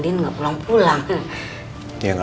dia pilih orang sedemikian ya